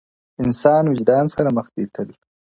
o انسان وجدان سره مخ دی تل,